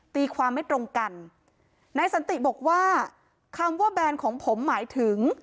ตีความไม่ตรงกันนายสันติบอกว่าคำว่าแบนของผมหมายถึง